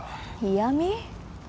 嫌み？